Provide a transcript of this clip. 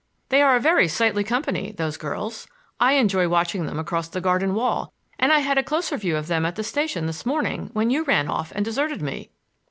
They are a very sightly company, those girls. I enjoy watching them across the garden wall. And I had a closer view of them at the station this morning, when you ran off and deserted me."